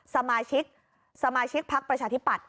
สมาชิกสมาชิกพักประชาธิปัตย